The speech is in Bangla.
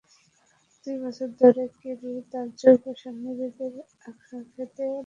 দুই বছর ধরে কেরু তার জৈব সার নিজেদের আখখেতে ব্যবহার করছে।